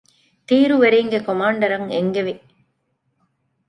ތީރުވެރީންގެ ކޮމާންޑަރަށް އެންގެވި